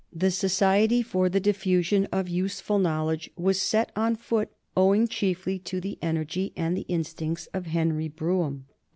The Society for the Diffusion of Useful Knowledge was set on foot owing chiefly to the energy and the instincts of Henry Brougham.